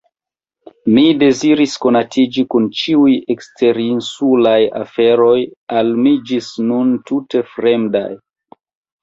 Mi deziris konatiĝi kun ĉiuj eksterinsulaj aferoj, al mi ĝis nun tute fremdaj.